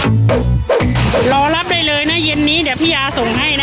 รอรับได้เลยนะเย็นนี้เดี๋ยวพี่ยาส่งให้นะ